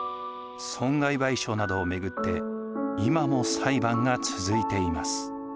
損害賠償などを巡って今も裁判が続いています。